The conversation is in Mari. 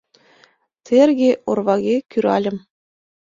Терге-орваге кӱральым.